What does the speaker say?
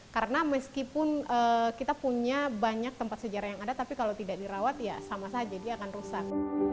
karena meskipun kita punya banyak tempat sejarah yang ada tapi kalau tidak dirawat ya sama saja dia akan rusak